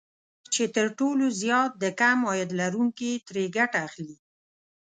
چې تر ټولو زيات د کم عاید لرونکي ترې ګټه اخلي